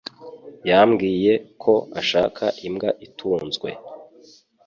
Yambwiye ko ashaka imbwa itunzwe